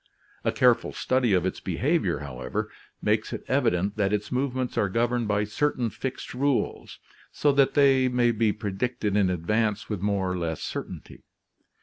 A careful study of its behavior, however, makes it evident that its movements are governed by certain fixed rules, so that they may be predicted in advance with more or less certainty.